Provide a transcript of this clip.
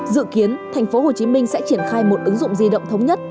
dự kiến tp hcm sẽ triển khai một ứng dụng di động thống nhất